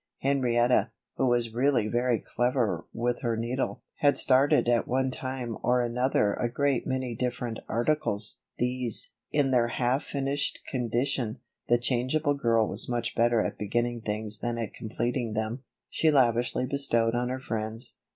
Henrietta, who was really very clever with her needle, had started at one time or another a great many different articles. These, in their half finished condition the changeable girl was much better at beginning things than at completing them she lavishly bestowed on her friends.